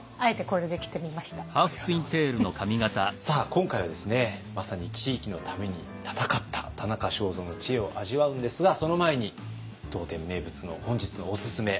今回はですねまさに地域のために闘った田中正造の知恵を味わうんですがその前に当店名物の本日のオススメ。